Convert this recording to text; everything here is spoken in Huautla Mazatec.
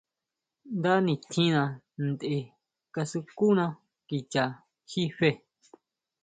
Nda nitjína tʼen kasukuna kicha jí fe.